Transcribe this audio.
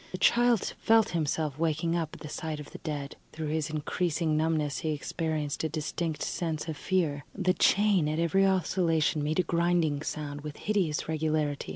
The child felt himself waking up at the sight of the dead; through his increasing numbness he experienced a distinct sense of fear. The chain at every oscillation made a grinding sound, with hideous regularity.